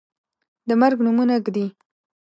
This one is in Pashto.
د مرګ نومونه ږدي